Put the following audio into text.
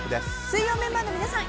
水曜メンバーの皆さん